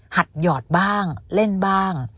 หัดหยอดบ้างเล่นบ้าง